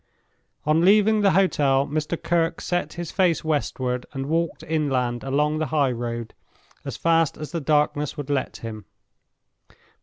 On leaving the hotel Mr. Kirke set his face westward, and walked inland along the highroad as fast as the darkness would let him.